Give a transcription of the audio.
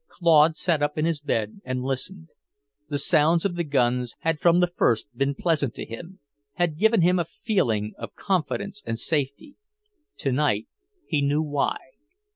Claude sat up in his bed and listened. The sound of the guns had from the first been pleasant to him, had given him a feeling of confidence and safety; tonight he knew why.